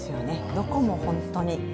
どこも本当に。